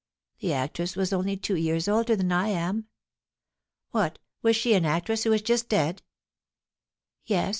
"The actress was only two years older than I am." "What, was she an actress who is just dead?" "Yes.